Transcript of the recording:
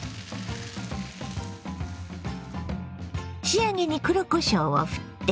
仕上げに黒こしょうをふって。